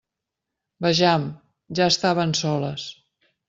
Vejam, ja estaven soles.